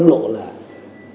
nên đạo đạo